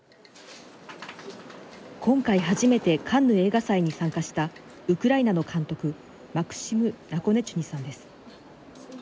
今回、初めてカンヌ映画祭に参加したウクライナの監督マクシム・ナコネチュニーさんです。